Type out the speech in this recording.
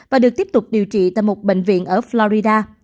và được tiếp tục điều trị tại một bệnh viện ở florida